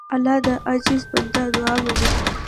الله د عاجز بنده دعا منې.